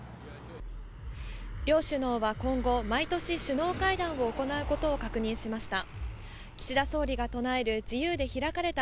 両首脳は今後、毎年、首脳会談を行うことを確認しました。